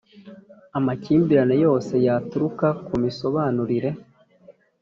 Amakimbirane yose yaturuka ku misobanurire